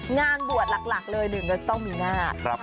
งานบวชหลักเลยหนึ่งก็ต้องมีหน้า